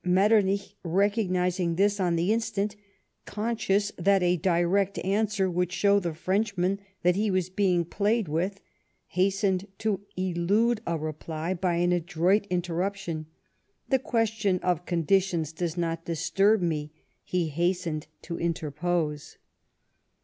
Metternich, recognising this on the instant, conscious that a direct answer would show the Frenchman that he was being played with, hastened to elude a reply by an adroit interruption. " The question of conditions does not disturb me," he hastened to interpose.